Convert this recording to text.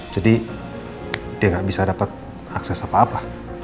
jadi dia gak bisa dapet akses apa apa